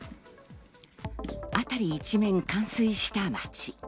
辺り一面、冠水した街。